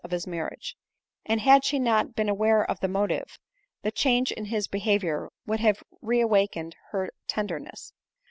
of his marriage ; and had sfce not been aware of the motive, the change in his behavior would have re awakened her tenderness.